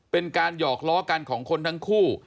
เป็นการหยอกล้อกันของคนทั้งคู่